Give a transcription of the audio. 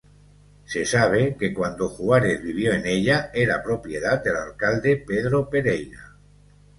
Se sabe que cuando Juárez vivió en ella, era propiedad del alcalde Pedro Pereira.